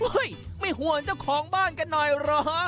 ไม่ห่วงเจ้าของบ้านกันหน่อยเหรอฮะ